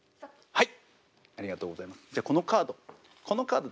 はい。